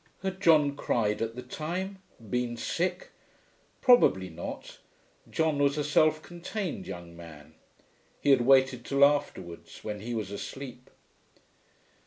Had John cried at the time? Been sick? Probably not; John was a self contained young man. He had waited till afterwards, when he was asleep.